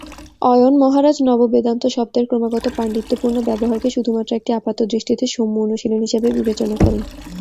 অয়ন মহারাজ "নব-বেদান্ত" শব্দের ক্রমাগত পাণ্ডিত্যপূর্ণ ব্যবহারকে শুধুমাত্র একটি "আপাতদৃষ্টিতে সৌম্য অনুশীলন" হিসেবে বিবেচনা করেন।